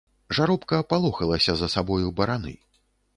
Жаробка палохалася за сабою бараны.